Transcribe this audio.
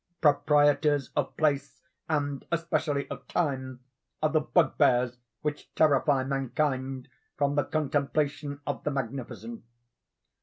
Proprieties of place, and especially of time, are the bugbears which terrify mankind from the contemplation of the magnificent.